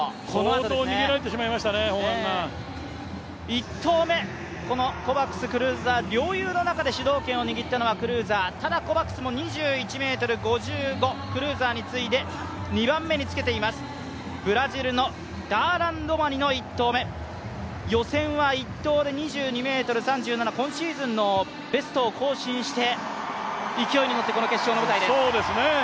１投目、コバクス、クルーザー両雄の中で主導権を握ったのはクルーザー、ただコバクスも２１ｍ５５、クルーザーに次いで２番目につけています、ブラジルのダーラン・ロマニの１投目、予選は１投で２２ｍ３７、今シーズンのベストを更新して勢いに乗ってこの決勝の舞台です。